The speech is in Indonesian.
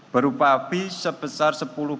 berupa api sebesar sepuluh persen dari pbi